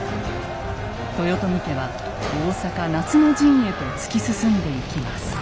豊臣家は大坂夏の陣へと突き進んでいきます。